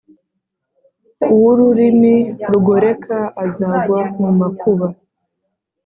uw’ururimi rugoreka azagwa mu makuba